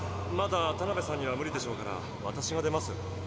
まだタナベさんには無理でしょうから私が出ます。